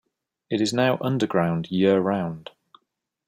It is now underground year-round.